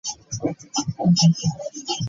Yatwala ekisero nakuŋŋaanya emmere ye mbizzi.